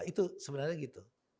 itu sebenarnya gitu